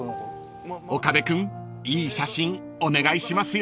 ［岡部君いい写真お願いしますよ］